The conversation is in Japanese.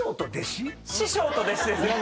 師匠と弟子です。